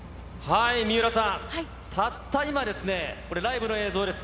水卜さん、たった今ですね、これ、ライブの映像です。